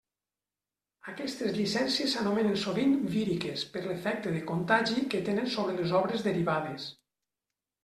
Aquestes llicències s'anomenen sovint “víriques” per l'efecte de contagi que tenen sobre les obres derivades.